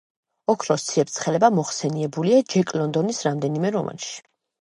ოქროს ციებ-ცხელება მოხსენიებულია ჯეკ ლონდონის რამდენიმე რომანში.